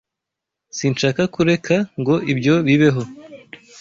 Sinshaka kureka ngo ibyo bibeho.